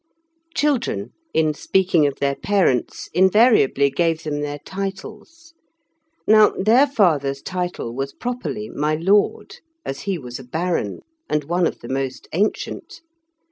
Children, in speaking of their parents, invariably gave them their titles. Now their father's title was properly "my lord," as he was a baron, and one of the most ancient.